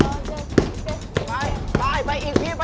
อ้าแล้วอีก